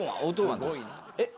えっ？